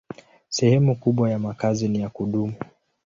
Sehemu kubwa ya makazi ni ya kudumu.